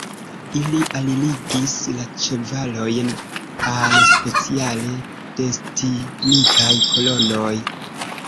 Ili alligis la ĉevalojn al speciale destinitaj kolonoj.